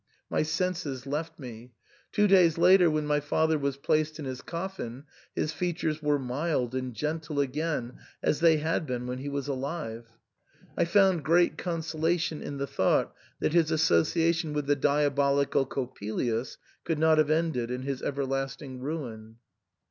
My senses left me. Two days later, when my father was placed in his coffin, his features were mild and gentle again as they had been when he was alive. I found great consolation in the thought that his associa tion with the diabolical Coppelius could not have ended in his everlasting ruin.